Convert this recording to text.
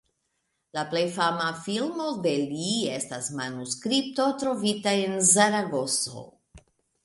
La plej fama filmo de li estas "Manuskripto trovita en Zaragozo".